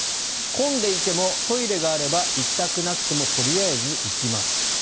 混んでいてもトイレがあれば行きたくなくてもとりあえず行きますと。